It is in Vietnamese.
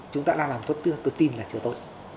chúng ta đang làm thuốc tươi tôi tin là chưa tội